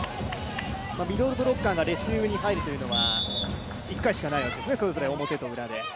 ミドルブロッカーがレシーブに入るというのは１回しかないわけですね、それぞれ表と裏で。